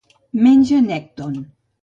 Menja nècton.